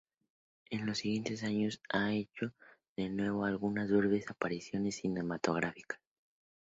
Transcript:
En los siguientes años ha hecho, de nuevo, algunas breves apariciones cinematográficas.